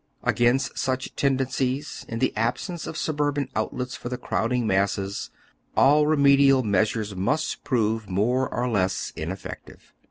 Against such tenden cies, in the absence of suburban outlets for the crowding masses, all remedial measures must prove more or less ineffective.